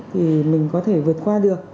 thì mình có thể vượt qua được